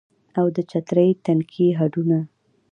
او د چترۍ تنکي هډونه